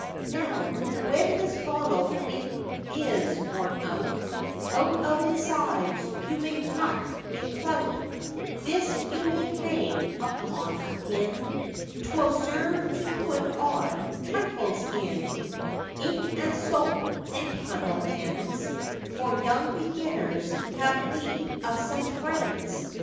Now, when this bottèl it is worn out, Out of its sides you may cut a clout; This you may hang upon a pin,— 'Twill serve to put odd trifles in; Ink and soap, and candle ends, For young beginners have need of such friends.